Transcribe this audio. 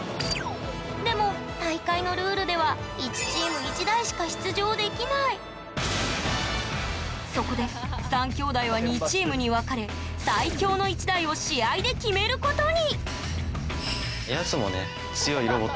でも大会のルールでは１チームそこで３兄弟は２チームに分かれ最強の１台を試合で決めることに！